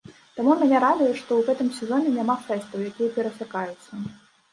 Таму мяне радуе, што ў гэтым сезоне няма фэстаў, якія перасякаюцца.